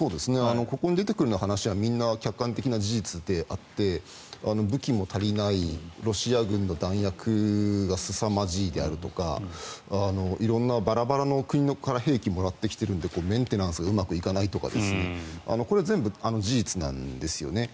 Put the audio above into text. ここに出てくる話はみんな客観的な事実で武器も足りないロシア軍の弾薬がすさまじいであるとか色んなバラバラの国から兵器をもらってきているのでメンテナンスがうまくいかないとかこれは全部事実なんですよね。